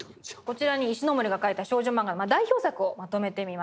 こちらに石森が描いた少女漫画代表作をまとめてみました。